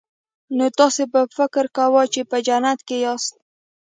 نو تاسو به فکر کاوه چې په جنت کې یاست